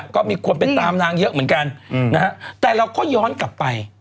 ก็มีคนไปตามนางเยอะเหมือนกันนะฮะแต่เราก็ย้อนกลับไป